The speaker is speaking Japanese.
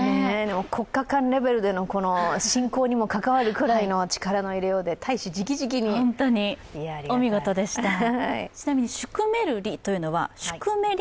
国家間レベルでの進行にも関わるくらいの力の入れようで大使直々にですね。